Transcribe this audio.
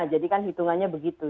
jadi kan hitungannya begitu